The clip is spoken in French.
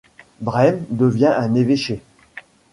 Brême devient un évêché.